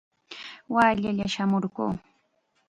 Wallalla shamurquu.